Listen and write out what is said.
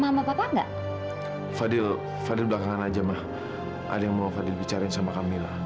sama sama papa enggak fadil fadil belakangan aja mah ada yang mau fadil bicara sama kamilah